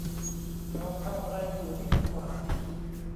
เราทำอะไรอยู่ที่ไหนหว่า